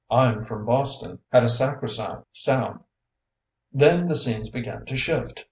"I'm from Boston", had a sac rosanct sound. Then, the scene began to shift.